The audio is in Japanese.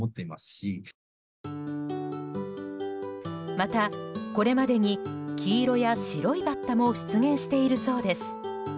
また、これまでに黄色や白いバッタも出現しているそうです。